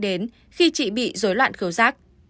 đến khi chị bị rối loạn khứu sát